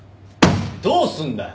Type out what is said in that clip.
どうすんだよ！